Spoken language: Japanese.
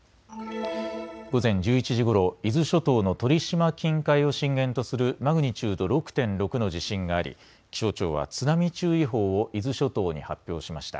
午前１１時ごろ、伊豆諸島の鳥島近海を震源とするマグニチュード６．６の地震があり気象庁は津波注意報を伊豆諸島に発表しました。